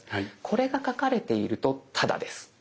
これが書かれているとタダです。